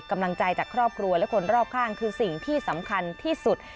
กำลังใจจากครอบครัวและคนรอบข้างคือสิ่งที่สำคัญที่สุด